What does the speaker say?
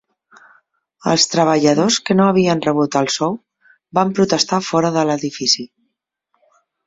Els treballadors que no havien rebut el sou van protestar fora de l'edifici.